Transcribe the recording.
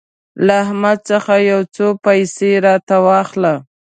له احمد څخه يو څو پيسې راته واخله.